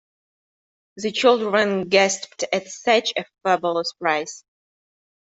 The children gasped at such a fabulous price.